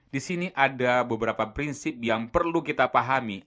di sini ada beberapa prinsip yang perlu kita pahami